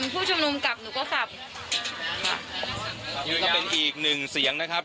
ค่ะใจจะกลับก่อนไหนครับ